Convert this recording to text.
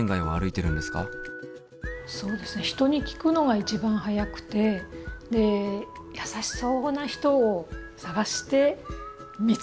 そうですね人に聞くのが一番早くて優しそうな人を探して見つけて聞きます。